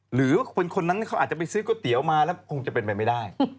หรือว่าคนนั้นเขาอาจจะไปซื้อก๋วยเตี๋ยวมาแล้วคงจะเป็นไปไม่ได้